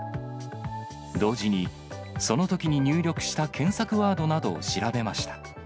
同時に、そのときに入力した検索ワードなどを調べました。